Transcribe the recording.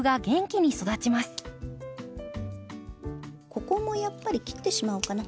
ここもやっぱり切ってしまおうかな。